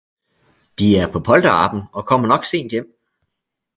De er på polterabend og kommer nok sent hjem.